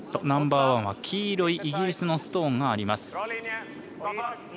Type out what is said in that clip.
ナンバーワンは黄色いイギリスのストーンがあります。